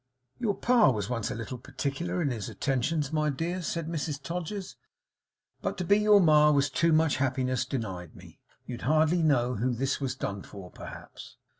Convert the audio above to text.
'Your pa was once a little particular in his attentions, my dears,' said Mrs Todgers, 'but to be your ma was too much happiness denied me. You'd hardly know who this was done for, perhaps?